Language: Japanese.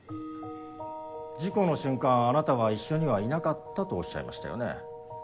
事故の瞬間あなたは一緒にはいなかったとおっしゃいましたよね？